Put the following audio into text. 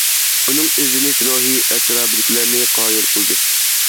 ئۇنىڭ ئىزدىنىش روھى ئەتراپىدىكىلەرنى قايىل قىلدى.